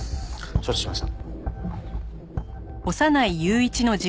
承知しました。